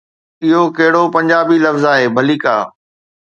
اهو ڪهڙو پنجابي لفظ آهي، ڀليڪا.